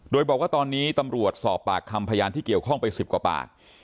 โดยบอกว่าตอนนี้ตำรวจสอบปากคำพยานที่เกี่ยวข้องไป๑๐กว่าปาก